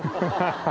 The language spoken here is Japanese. ハハハ。